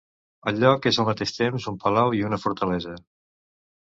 El lloc és al mateix temps un palau i una fortalesa.